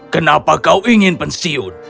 kenapa kau ingin pensiun